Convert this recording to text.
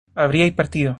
habríais partido